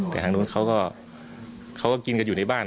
แต่ทางนู้นเขาก็กินกันอยู่ในบ้าน